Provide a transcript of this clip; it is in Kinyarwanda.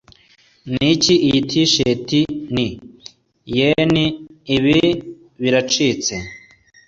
Niki! Iyi T-shirt ni . yen? Ibi biracitse!